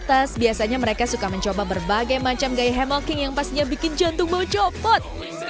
di atas biasanya mereka suka mencoba berbagai macam gaya hemoking yang pastinya bikin jantung mau copot